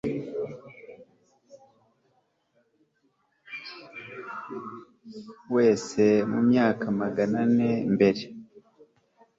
wese, mu myaka magana ane mbere